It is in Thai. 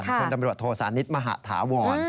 พลตำรวจโทสานิทมหาธาวร